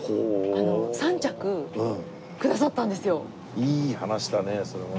いい話だねそれはね。